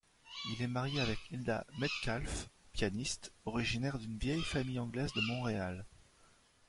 Il est marié avec Hilda Metcalfe, pianiste, originaire d'une vieille famille anglaise de Montréal.